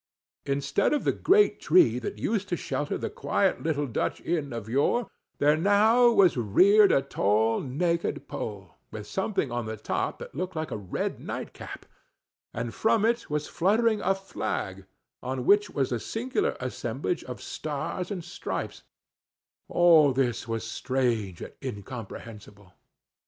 Instead of the great tree that used to shelter the quiet little Dutch inn of yore, there now was reared a tall naked pole, with something on the top that looked like a red night cap, and from it was fluttering a flag, on which was a singular assemblage of stars and stripes—all this was strange and incomprehensible.